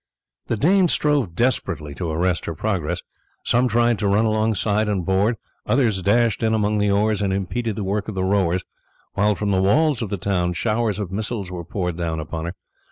The Danes strove desperately to arrest her progress. Some tried to run alongside and board, others dashed in among the oars and impeded the work of the rowers, while from the walls of the town showers of missiles were poured down upon her.